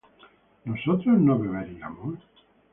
¿nosotros no beberíamos?